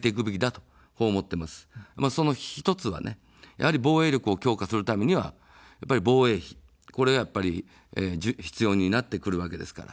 その１つは、防衛力を強化するためには防衛費、これがやっぱり必要になってくるわけですから。